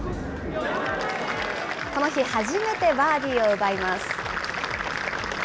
この日初めてバーディーを奪います。